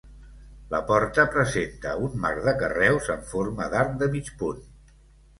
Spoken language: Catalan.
La porta, presenta un marc de carreus en forma d'arc de mig punt.